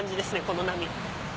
この波。